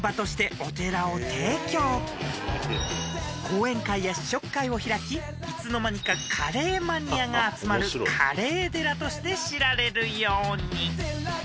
［講演会や試食会を開きいつの間にかカレーマニアが集まるカレー寺として知られるように］